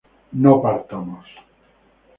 no partamos